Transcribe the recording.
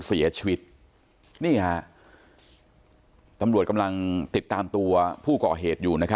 เสียชีวิตนี่ฮะตำรวจกำลังติดตามตัวผู้ก่อเหตุอยู่นะครับ